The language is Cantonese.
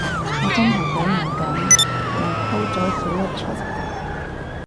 我真係頂唔緊，咪摳咗佢一鎚